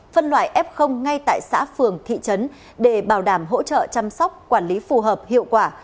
phân loại f ngay tại xã phường thị trấn để bảo đảm hỗ trợ chăm sóc quản lý phù hợp hiệu quả